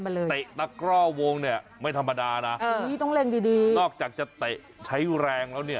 นี่แตะกล้องวงเนี่ยไม่ธรรมดานะนอกจากเอาสีตาให้ไว้แล้วเนี่ย